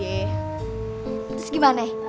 terus gimana eh